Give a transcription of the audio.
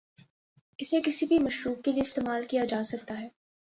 اسے کسی بھی مشروب کے لئے استعمال کیا جاسکتا ہے ۔